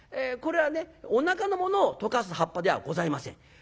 これはねおなかのものを溶かす葉っぱではございません。